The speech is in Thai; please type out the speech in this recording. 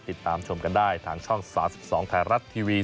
ติดตามชมกันได้ทางช่อง๓๒ไทยรัฐทีวี